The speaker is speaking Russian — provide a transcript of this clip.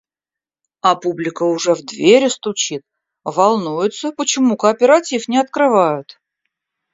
А публика уже в двери стучит, волнуется, почему кооператив не открывают.